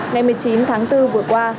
ngày một mươi chín tháng bốn vừa qua